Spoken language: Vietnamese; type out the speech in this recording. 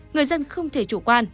người dân không thể chủ quan